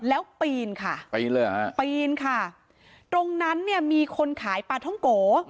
แล้วปีนค่ะปีนเลยเหรอฮะปีนค่ะตรงนั้นเนี่ยมีคนขายปลาท่องโก